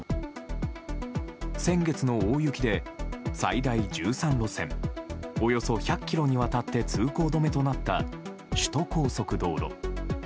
先月の大雪で最大１３路線、およそ１００キロにわたって通行止めとなった首都高速道路。